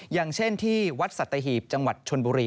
อย่างเช่นที่วัดสัตหีบจังหวัดชนบุรี